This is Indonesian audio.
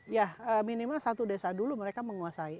ya minimal satu desa dulu mereka menguasai